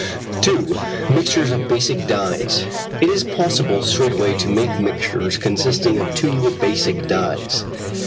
2. Mixtures of basic dyes. It is possible straight away to make mixtures consisting of two basic dyes.